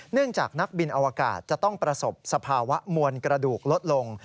จากนักบินอวกาศจะต้องประสบสภาวะมวลกระดูกลดลง